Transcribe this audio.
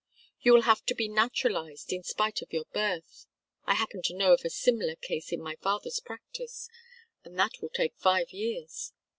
You will have to be naturalized in spite of your birth I happen to know of a similar case in my father's practice and that will take five years.